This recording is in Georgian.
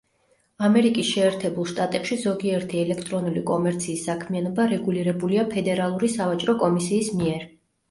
ამერიკის შეერთებულ შტატებში ზოგიერთი ელექტრონული კომერციის საქმიანობა რეგულირებულია ფედერალური სავაჭრო კომისიის მიერ.